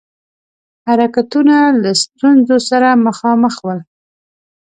حرکتونه له ستونزو سره مخامخ ول.